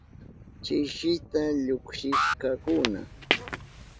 Chisita llukshishkakuna.